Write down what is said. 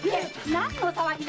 何の騒ぎだ？